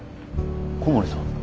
小森さん。